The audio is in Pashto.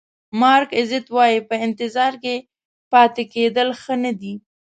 مارک ایزت وایي په انتظار کې پاتې کېدل ښه نه دي.